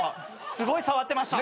すごい触ってました。